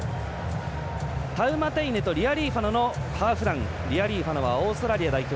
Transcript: タウマテイネとハーフラン、リアリーファノはオーストラリア代表